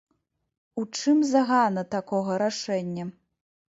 У чым загана такога рашэння?